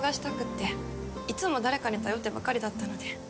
いつも誰かに頼ってばかりだったので。